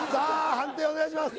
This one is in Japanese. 判定お願いします